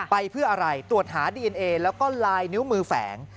ไปเพื่ออะไรตรวจหาดีเอ็นเอแล้วก็ลายนิ้วมือแฝง